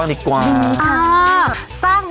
ขอบคุณครับ